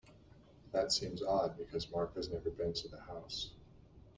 That seems odd because Mark has never been to the house.